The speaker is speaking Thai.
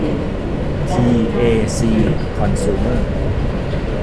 ที เอ ซี คอนซูเมอร์